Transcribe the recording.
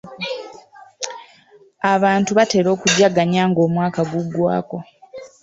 Abantu batera okujaganya ng'omwaka guggwako.